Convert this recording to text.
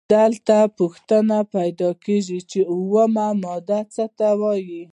دلته پوښتنه پیدا کیږي چې اومه ماده څه ته وايي؟